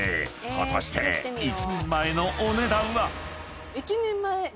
［果たして１人前のお値段は？］